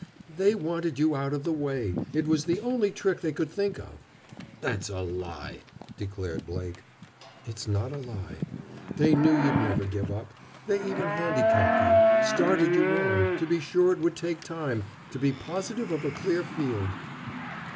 "They wanted you out of the way. It was the only trick they could think of." "That's a lie!" declared Blake. "It's not a lie. They knew you'd never give up. They even handicapped you—started you wrong, to be sure it would take time, to be positive of a clear field."